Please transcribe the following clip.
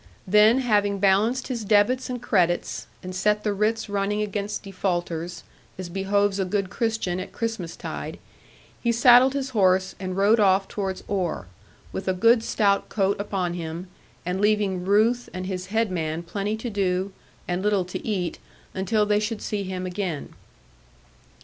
Then having balanced his debits and credits, and set the writs running against defaulters, as behoves a good Christian at Christmas tide, he saddled his horse, and rode off towards Oare, with a good stout coat upon him, and leaving Ruth and his head man plenty to do, and little to eat, until they should see him again.